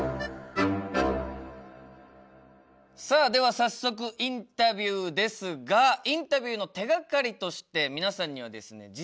さあでは早速インタビューですがインタビューの手がかりとして皆さんにはですね